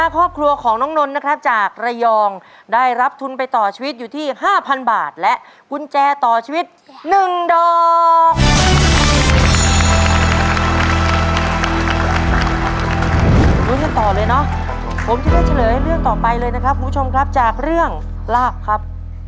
ผมจะได้เฉลยให้เรื่องต่อไปเลยนะครับคุณผู้ชมครับจากเรื่องราบครับ